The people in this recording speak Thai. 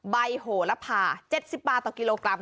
โหละพา๗๐บาทต่อกิโลกรัม